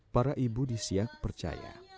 para ibu di siak percaya